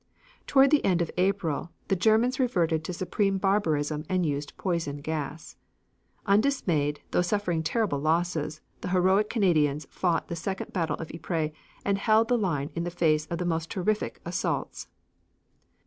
Toward the end of April the Germans reverted to supreme barbarism and used poison gas. Undismayed, though suffering terrible losses, the heroic Canadians fought the second battle of Ypres and held the line in the face of the most terrific assaults.